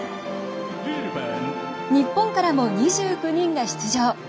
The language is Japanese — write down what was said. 日本からも２９人が出場。